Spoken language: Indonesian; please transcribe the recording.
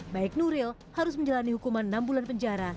baik nuril harus menjalani hukuman enam bulan penjara